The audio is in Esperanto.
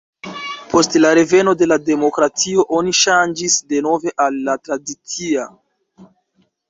Post la reveno de la demokratio oni ŝanĝis denove al la tradicia.